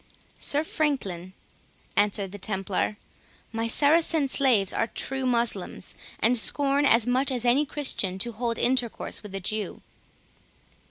"Sir Franklin," answered the Templar, "my Saracen slaves are true Moslems, and scorn as much as any Christian to hold intercourse with a Jew."